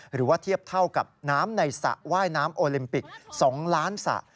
หรือว่าเทียบเท่ากับน้ำในสระว่ายน้ำโอลิมปิก๒ล้านสระ